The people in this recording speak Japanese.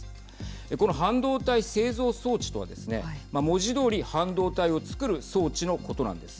この半導体製造装置とはですね文字どおり、半導体を造る装置のことなんです。